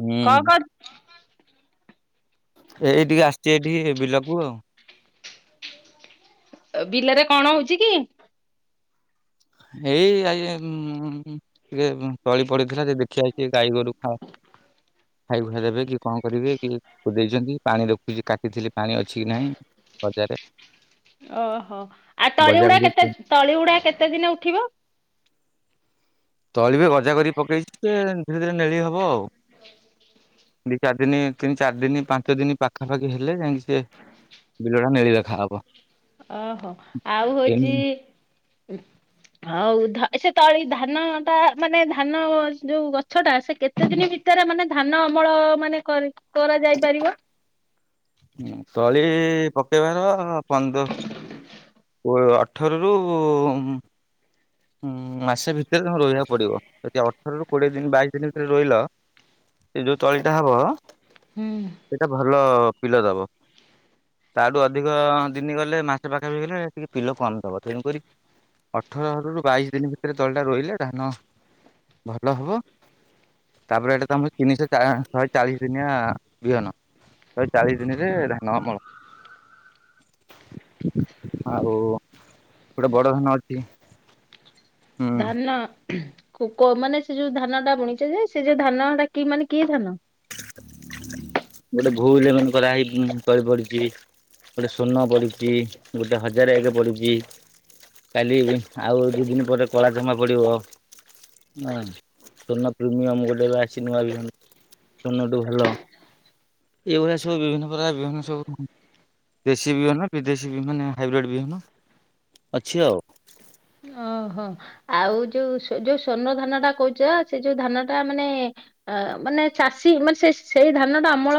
ହୁଁ କଣ କରୁ ଏଇଠି ଟିକେ ଆସିଛି ଏଇଠି ବିଲକୁ ଆଉ। ବିଲରେ କଣ ହଉଛି କି? ଏଇ ଆଇ ଆ ଉଁ ଟିକେ ତଳି ପଡିଥିଲା ଯେ, ଦେଖିଆଇଛି ଗାଈ ଗୋରୁ ଖା ଖାଇ ଖୁଆ ଦେବେ କି କଣ କରିବେ କି ଦେଇଛନ୍ତି ପାଣି ରଖୁଛି କାଟିଥିଲି ପାଣି ଅଛି କି ନାହିଁ। ହଜାରେ ଓହୋ ଆଉ ତଳି ଗୁଡା କେତେ, ତଳି ଗୁଡା କେତେ ଦିନ ଉଠିବ? ତଳି ବି ଗଜା କରିକି ପକେଇଛି। ସେ ଧୀରେ ଧୀରେ ନେଳି ହବ ଆଉ। ଦି ଚାରି ଦିନ, ତିନି ଚାରି ଦିନ, ପାଞ୍ଚ ଦିନ ପାଖାପାଖି ହେଲେ ଯାଇକି ସେ ବିଲଟା ନେଳି ଦେଖାହବ। ଓହୋ ଆଉ ହଉଛି ହଉ ଧ ସେ ତଳି ଧାନ ଟା ମାନେ ଧାନ ଯୋଉ ଗଛ ଟା ସେ କେ ତେ ଦିନ ଭିତରେ ମାନେ ଧାନ ଅମଳ ମାନେ କର କରାଯାଇ ପାରିବ? ତଳି ପକେଇବାର ପନ୍ଦ ଅଠର ରୁ ହୁଁ ମାସେ ଭିତରେ ତମେ ରହିବାକୁ ପଡିବ। ଯଦି ଅଠର ରୁ କୋଡିଏ ଦିନ ବାଇଶ ଦିନ ଭିତରେ ରୋଇଲ ସେ ଯୋଉ ତଳିଟା ହବ, ସେଟା ଭଲ ପିଲ ଦବ। ତାଠୁ ଅଧିକ ଦିନି ଗଲେ ମାସେ ପାଖାପଖି ଗଲେ ଟିକେ ପିଲ କମ୍ ଦବ। ତେଣୁକରି ଅଠର ରୁ ବାଇଶି ଦିନ ଭିତରେ ତଳିଟା ରୋଇଲେ ଧାନ ଭଲ ହବ। ତାପରେ ଏଇଟା ତମେ ତିନିଶହ ଶହେ ଚାଳିଶ ଦିନିଆ ବିହନ। ଶହେ ଚାଳିଶ ଦିନ ରେ ଧାନ ଅମଳ ଆଉ ଗୋଟେ ବଡ ଧାନ ଅଛି। ହୁଁ। ଧାନ କୋ କୋଉ ମାନେ ସେ ଯୋଉ ଧାନ ଟା ବୁଣିଛ ଯେ, ସେ ଯୋଉ ଧାନ ଟା କି ମାନେ କି ଧାନ? ଗୋଟେ ଭୁଲ ମାନେ କରାହଇ କରିପଡଛି। ଗୋଟେ ଶୂନ ବଢିଛି ଗୋଟେ ହଜାର ଏକ୍ ବଢିଛି। କାଲି ଆଉ ଦୁଇ ଦିନ ପରେ କଳା ଜମା ପଡ଼ିବ। ନା ସୁ ପ୍ରିମିୟମ ଗୋଟେ ବି ଆସି ନୂଆ ବି। ପୁରୁଣା ଠୁଭଲ ଏଇଭଳିଆ ସବୁ ବିଭିନ୍ନ ପ୍ରକାର ବିଭିନ୍ନ ସବୁ। ଦେଶୀ ବିହନ ବିଦେଶୀ ବି ମାନେ ହାଇବ୍ରିଡ ବିହନ ଅଛି ଆଉ। ଓହୋ ଆଉ ଯୋଉ‍ଁ ଯୋଉଁ ସୂର୍ଣ୍ଣ ଧାନ ଟା କହୁଚ ସେ ଯୋଉଁ ଧାନ ଟା ମାନେ। ଅ ମାନେ ଚାଷୀ ମାନେ ସେ ସେଇ ଧାନ ଟା ଅମଳ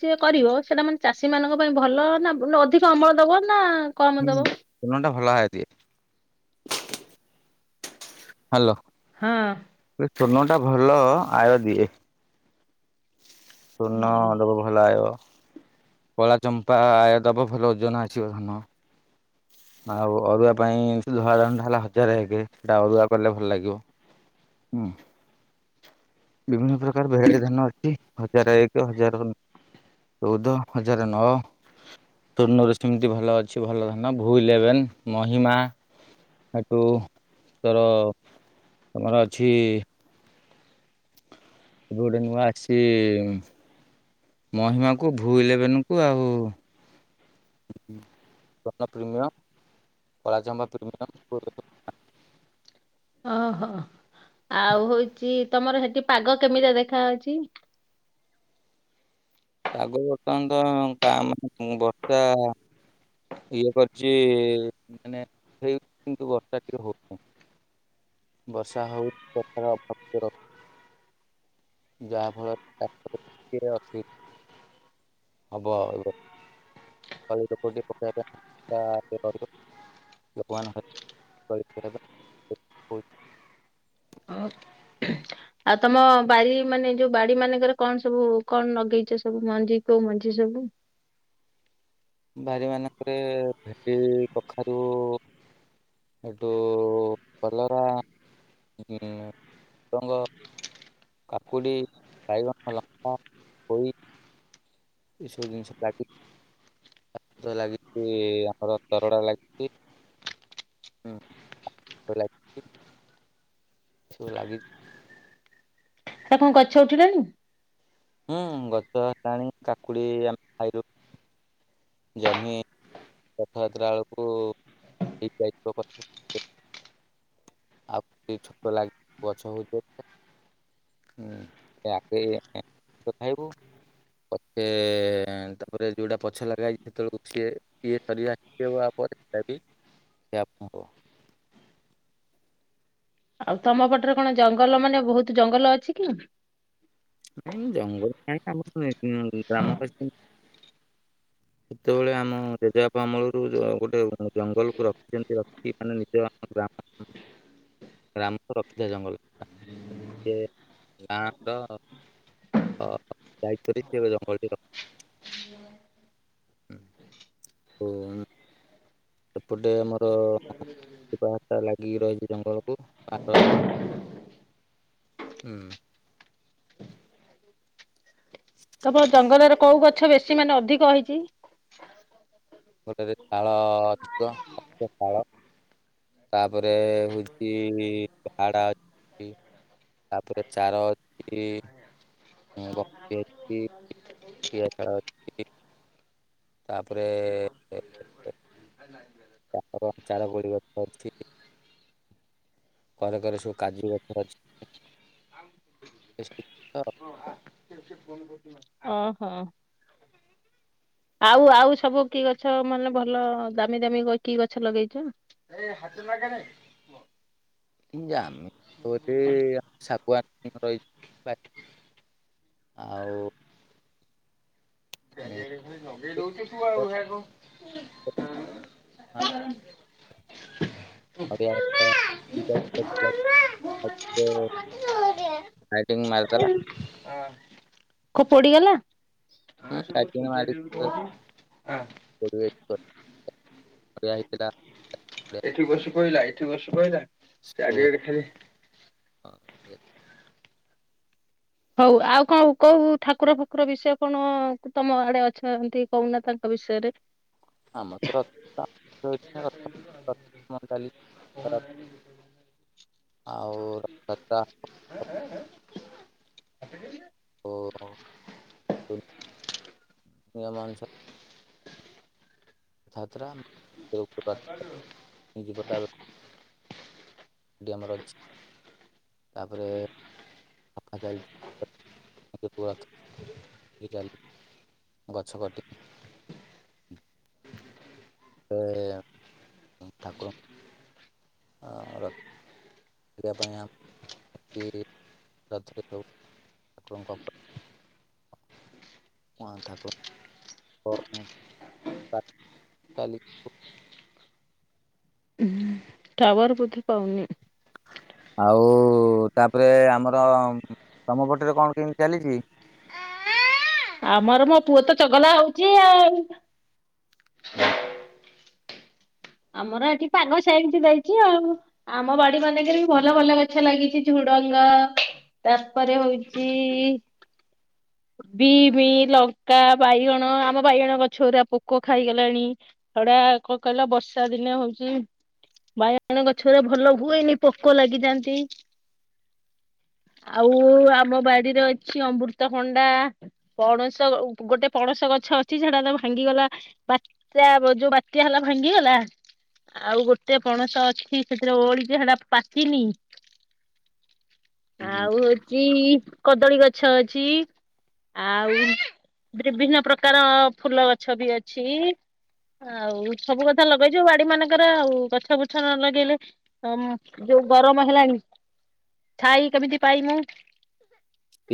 ଯିଏ କରିବ ସେଇଟା ମାନେ। ଚାଷୀ ମାନଙ୍କ ପାଇଁ ଭଲ ନା ଅଧିକ ଅମଳ ଦବ ନାଁ। ହୁଁ ଫଲ ଟା ଭଲ ଆୟ ଦିଏ। ହାଲୋ। ହୁଁ। ଏ ସୁନ ଟା ଭଲ ଆୟ ଦିଏ। ସର୍ଣ୍ଣ ହଁ। ଦବ ଭଲ ଆୟ, କଳା ଚମ୍ପା ଆୟ ଦବ ଭଲ ଓଜନ ଆସିବ ଧାନ। ଆଉ ଅରୁଆ ପାଇଁ ଧଳା ଟା ହେଲା ହଜାରେ ଏକେ ସେଟା ଅରୁଆ କଲେ ଭଲ ଲାଗିବ। ହୁଁ। ବିଭିନ୍ନ ପ୍ରକାର ଭେରାଇଟି ଧାନ ଅଛି, ହଜାର ଏକ ହଜାର ଚଉଦ। ହଜାର ନଅ ତୋନରେ ସେମିତି ଭଲ ଅଛି ଭଲ। ଭୁ ଇଲେଭେନ୍ ମହିମା। ଏଠୁ ତୋର ତମର ଅଛି। ଏବେ ଗୋଟେ ନୂଆ ଆସିଛି। ମହିମାକୁ ଭୁ ଇଲେଭେନ୍ କୁ ଆଉ। ସୋନ ପ୍ରିମିୟମ୍ କଳା ଚମ୍ପା ପ୍ରିମିୟମ୍। ଓହୋ ଆଉ ହୋଉଛି, ତମର ସେଠି ପାଗ କେମିତି ଦେଖାଯାଉଛି। ପାଗ ବର୍ତ୍ତମାନତ କାମ୍ ବର୍ଷା। ଇଏ କରିଛି ମାନେ କିନ୍ତୁ ବର୍ଷା ଟିକେ ହୋଉନହିଁ। ବର୍ଷା ହୋଉଛି ବର୍ଷା କବାଟ ବନ୍ଦ କର। ଯାହାଫଳରେଏ [inaudible] ହବ ଆଉରା [inaudible] ଆଉ ତମ ବାରି ମାନେ ଯୋଉଁ ବାଡି ମାନଙ୍କରେ କଣ ସବୁ କଣ ଲଗେଇଛ ସବୁ ମଞ୍ଜି କୋଉଁ ମଞ୍ଜି ସବୁ। ବାରି ମାନଙ୍କରେ ଭେଟି କଖାରୁ। ଏଠୁ କଲରା। ହୁଁ ଝୁଡଙ୍ଗ। କାକୁଡି, ବାଇଗଣ, ଲଙ୍କା, ପୋଇ। ଏ ସବୁ ଜିନିଷ ଲାଗିଛି ତା ଲାଗିଛି ଆମର ତରଡ଼ା ଲାଗିଛି। ହୁଁ ଲାଗିଚି। ସବୁ ଲାଗି ତା କଣ ଗଛ ଉଠିଲାନି? ହୁଁ ଗଛ ହେଲାଣି କାକୁଡି ଆମେ ଖାଇଲୁ। ଜହ୍ନି ରଥଯାତ୍ରା ବେଳକୁ ହେଯାଇଥିବ କଥା। ଆଉ ଛୁଟ ଲାଗି ଗଛ ହଉ [inaudible] ପଛେ ତାପରେ ଯୋଉଁଟା ପଛ ଲଗାଇଛି ସେତେବେଳକୁ ସିଏ କିଏ। [inaudible] ଆଉ ତମ ପଟରେ କଣ ଜଙ୍ଗଲ ମାନେ ବହୁତ ଜଙ୍ଗଲ ଅଛି କି? ନାଇଁ ମୁ ଜଙ୍ଗଲ କାଇଁ ଆମ ଗ୍ରାମବାସୀ। ସେତେବେଳେ ଆମ ଜେଜେବାପା ଅମଳରୁ ଗୋଟେ ଜଙ୍ଗଲକୁୁ ରଖିଛନ୍ତି ରଖି ମାନେ ନିଜ ଗ୍ରାମ। ଗାମ ରଖିଥିଲା ଜଙ୍ଗଲ ଗାଁ ର ମୋ ଅହ ଦାୟିତ୍ୱ ରଖିବ ଜଙ୍ଗଲଟିର। ସେପଟେ ଆମର ପାହାରଟା ଲାଗିକି ରହିଛି ଜଙ୍ଗଲକୁୁ ଆର ହୁଁ। ହ। ତମ ଜଙ୍ଗଲରେ କୋଉ ଗଛ ବେଶୀ ମାନେ ଅଧିକ ହେଇଛି? ଗୋଟେ ତାଳ ଅଧିକ ତାଳ। ଭାଡା ଅଛି ତାପରେ ଚାର ଅଛି। ଉଁ ଅଛି ପ ତାପରେ ଚାର କ ଚାର କୋଡି ଗଛ ଅଛି। ଘରେ କରେ ସବୁ କାଜୁ ଗଛ ଅଛି। କଣ କରହୁ ମ ଓହୋ। ଆଉ ଆଉ ସବୁ କି ଗଛ ମାନେ ଭଲ ଦାମି ଦାମୀ କି ଗଛ ଲଗେଇଛ? [inaudible] [unintelligible] ଶାଗୁଆନ ରହି। ଆଉ ହୁଁ। [inaudible] ହଁ। [unintelligible] ସାଇଟିଙ୍ଗ ମାର ହଁ। କୋଉ ପୋଡିଗଲା। ପିଇବ ଆଇଥିଲା। ଏଠି ବସୁ କହିଲା ଏଠି ବସୁ କହିଲା ସେ ଆଗ ଆଡେ ଖାଲି। ହ। ହଉ ଆଉ କଣ କହୁଉ ଠାକୁର ଫାକୁର ବିଷୟ କଣ ତମ ଆଡେ ଅଛନ୍ତି କହୁନା ତାଙ୍କ ବିଷୟରେ? ଆମର ତ ରଥଯାତ୍ରା ରହିଛି, ରଥଯାତ୍ରା ଆମର ଚାଲିଛି ଆଉ [inaudible] [inaudible] ଯାତ୍ରା [unintelligible] ଏଠି ଆମର ଅଛି। ତାପରେ କାମ ଚାଲିଚି ଟିକେ କୁହନ୍ତୁ। [inaudible] ସେ ଠାକୁର ଆ କରିବା ପାଇଁ ଆମ୍ ଗିରି ରଥରେ ଥାଉ ଠାକୁରଙ୍କ ହ କୁ ହଉ ଚାଲି ଟାୱାର୍ ବୋଧେ ପାଉନି? ଆଉ ତାପରେ ଆମର ତମ ପଟରେ କଣ କେମତି ଚାଲିଚି? ଆମର ମୋ ପୁଅ ତ ଚଗଲା ହଉଚି ଆଉ। ହୁଁ। ଆମର ଏଠି ପାଗ ସେଇଛି ଦେଇଚି ଆଉ। ଆମ ବାଡି ମାନଙ୍କରେ ବି ଭଲ ଭଲ ଗଛ ଲାଗିଚି ଝୁଡ଼ଙ୍ଗ ତାପରେ ହଉଚି ବିମି ଲଙ୍କା ବାଇଗଣ ଆମ ବାଇଗଣ ଗଛ ଗୁରା ପୋକ ଖାଇଗଲାଣି। ହାଡ଼େ କଁ କହିଲ ବର୍ଷା ଦିନେ ହଉଚି ବାଇଅଣ ଗଛ ଗୁରା ଭଲ ହୁଏନି ପୋକ ଲାଗିଯାଆନ୍ତି। ଆଉ ଆମ ବାଡିରେ ଅଛି ଅମୃତ ଭଣ୍ଡା। ପଣିସ ଉ ଗୋଟେ ପଣସ ଗଛ ଅଛି ସେଟା ତ ଭାଙ୍ଗିଗଲା। ବାତ୍ୟା ବ ଯୋଉ ବାତ୍ୟା ହେଲା ଭାଙ୍ଗିଗଲା। ଆଉ ଗୋଟେ ପଣସ ଅଛି ସେଥିରେ ଓଳିଚି ସେଟା ପାଚିନି। ଆଉ ହଉଚି କଦଳୀ ଗଛ ଅଛି। ଆଉ ବ୍ରିଭିନ୍ନ ପ୍ରକାର ଫୁଲ ଗଛ ବି ଅଛି। ଆଉ ସବୁ କଥା ଲ [unintelligible] ଚୁ ବାଡି ମାନଙ୍କରେ ଆଉ ଗଛ ବୁଛ ନ ଲଗେଇଲେ ଅମ୍ ଯୋଉ ଗରମ ହେଲାଣି ଛାଇ କେମିତି ପାଇମୁ?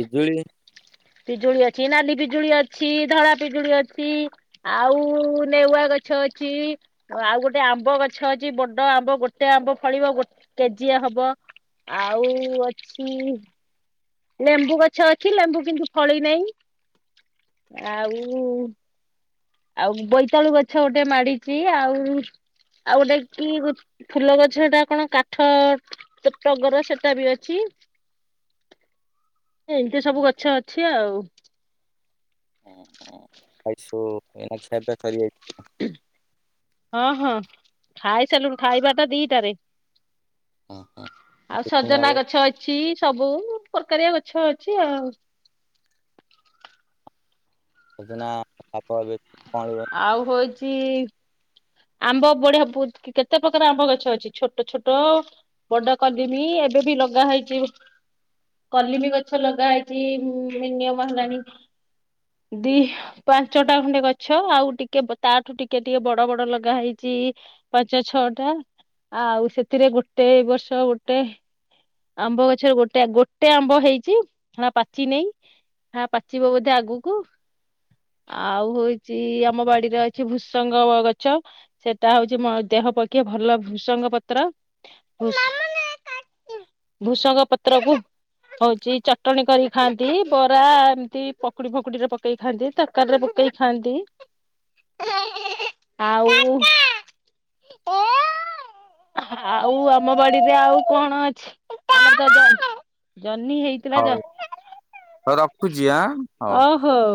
ପିଜୁଳି। ପିଜୁଳି ଅଛି ନାଲି ପିଜୁଳି ଅଛି ଧଳା ପିଜୁଳି ଅଛି। ଆଉ ନେଉଆ ଗଛ ଅଛି। ଅ ଆଉ ଗୋଟେ ଆମ୍ବ ଗଛ ଅଛି ବଡ ଆମ୍ବ ଗୋଟେ ଆମ୍ବ ଫଳିବ ଗୋ କେଜିଏ ହବ ‌। ଆଉ ଅଛି ଲେମ୍ବୁ ଗଛ ଅଛି ଲେମ୍ବୁ କିନ୍ତୁ ଫଳିନାଇ ଆଉ ଆଉ ବୋଇତାଳୁ ଗଛ ଗୋଟେ ମାଡିଚି ଆଉ ଆଉ ଗୋଟେ କି ଉ ଫୁଲ ଗଛ ଟା କଣ କାଠ [unintelligible] ଟଗର ସେଟା ବି ଅଛି। ଏ ଏମ୍ତି ସବୁ ଗଛ ଅଛି ଆଉ। [unintelligible] ହଁ-ହଁ ଖାଇ ସାଇଲୁଣୁ ଖାଇବାଟା ଦିଟାରେ। ହଁ ହଁ। ଆଉ ଚିକେନ ହବ ସଜନା ଗଛ ଅଛି ସବୁ ପର୍ କାରିଆ ଗଛ ଅଛି ଆଉ। ସଜନା ଶାଗ ଏବେ କଅଁଳିବ। ଆଉ ହୋଉଚି ଆମ୍ବ ବଢିଆ ବୁ କେତେ ପ୍ରକାର ଆମ୍ବ ଗଛ ଅଛି ଛୋଟ ଛୋଟ ବଡ କଲିମି ଏବେ ବି ଲଗା ହେଇଚି କଲିମି ଗଛ ଲଗା ହେଇଚି ମିନିଅମ ହେଲାଣି ଦି ପାଞ୍ଚଟା ଖଣ୍ଡେ ଗ ଛ ଆଉ ଟିକେ ବ ତାଠୁ ଟିକେ ଟିକେ ବଡ ବଡ ଲଗା ହେଇଚି ପାଞ୍ଚ ଛଅ ଟା। ଆଉ ସେଥିରେ ଗୋଟେ ବର୍ଷ ଗୋଟେ ଆମ୍ବ ଗଛ ଗୋଟେ ଗୋଟେ ଆମ୍ବ ହେଇଛି [unintelligible] ପାଚିନେଇ। ହା ପାଚିବ ବୋଧେ ଆଗୁକୁ? ଆଉ ହୋଉଚି ଆମ ବାଡିରେ ଅଛି ଭୃସଙ୍ଗ ଗଛ ସେଟା ହୋଉଚି ମୋ ଦେହ ପକ୍ଷେ ଭଲ ଭୃସଙ୍ଗ ପତ୍ର ଭୃସଙ୍ଗ ପତ୍ରକୁ ହଉଛି ଚଟଣୀ କରିକି ଖାଆନ୍ତି ବରା ଏମିତି ପକୁଡି ଫକୁଡିରେ ପକେଇ ଖାଆନ୍ତି। ତା ତରକାରୀ ପକେଇ ଖାଆନ୍ତି। ଆଉ ଆଉ ଆମ ବାଡିରେ ଆଉ କଣ ଅଛି। ଜହ୍ନି ହେଇଥିଲା। ଯ ହୋଉ ରଖୁଛି ଆଁ ହୋଉ। ହୋଉ।